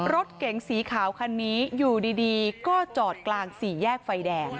รถเก๋งสีขาวคันนี้อยู่ดีก็จอดกลางสี่แยกไฟแดง